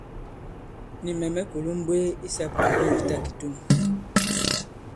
Nì mɛ̀ mɛ̀ kulū m̀mbwee i sāpìmbo ì ta kitum.